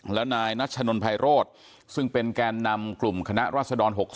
และนายนัชนนภัยโรธซึ่งเป็นแกนนำกลุ่มคณะรัศดร๖๒